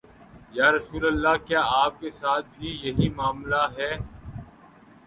یا رسول اللہ، کیا آپ کے ساتھ بھی یہی معا ملہ ہے؟